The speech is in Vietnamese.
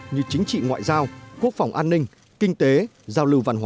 như chính trị ngoại giao quốc phòng an ninh kinh tế giao lưu văn hóa